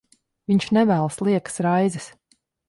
Viņš nevēlas liekas raizes.